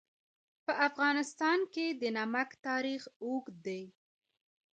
په افغانستان کې د نمک تاریخ اوږد دی.